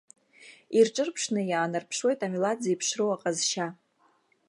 Ирҿырԥшны иаанарԥшуеит амилаҭ зеиԥшроу аҟазшьа.